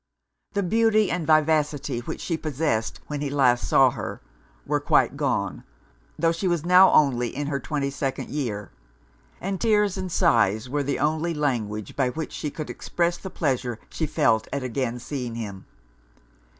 The beauty and vivacity which she possessed when he last saw her, were quite gone, tho' she was now only in her twenty second year; and tears and sighs were the only language by which she could express the pleasure she felt at again seeing him.